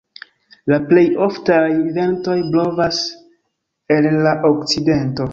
La plej oftaj ventoj blovas el la okcidento.